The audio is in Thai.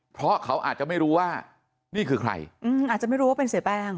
เพราะเขาอาจจะไม่รู้ว่านี่คือใครอืมอาจจะไม่รู้ว่าเป็นเสียแป้ง